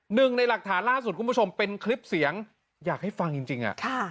หนึ่งในหลักฐานล่าสุดคุณผู้ชมเป็นคลิปเสียงอยากให้ฟังจริง